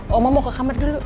ngomong mau ke kamar dulu